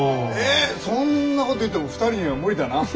えそんな事言っても２人には無理だな。